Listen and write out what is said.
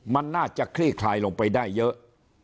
มันน่าจะคลี่คลายลงไปได้เยอะ